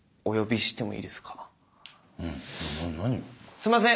すんません。